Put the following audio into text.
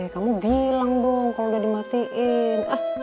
kamu bilang dong kalau udah dimatiin